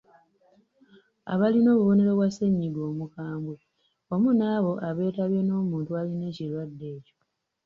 Abalina obubonero bwa ssennyiga omukambwe wamu n’abo abeetabye n’omuntu alina ekirwadde ekyo.